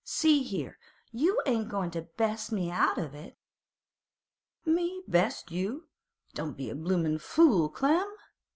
See here; you ain't goin' to best me out of it?' 'Me best you? Don't be a bloomin' fool, Clem!